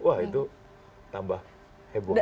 wah itu tambah heboh